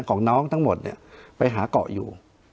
ของน้องทั้งหมดเนี่ยไปหาเกาะอยู่